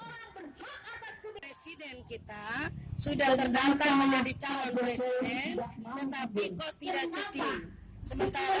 tetapi kok tidak cukup